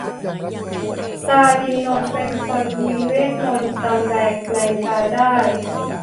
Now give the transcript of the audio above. ตาลีนนท์เป็นคนมีเวทมนตร์จำแลงแปลงกายได้